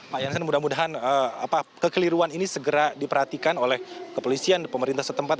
pak jansen mudah mudahan kekeliruan ini segera diperhatikan oleh kepolisian pemerintah setempat